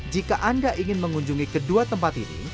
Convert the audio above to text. jika anda ingin mengunjungi kedua tempat ini